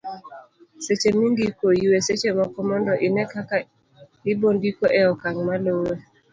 seche mindiko, ywe seche moko mondo ine kaka ibondiko e okang' maluwe